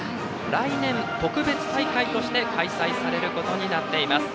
来年、特別大会として開催されることになっています。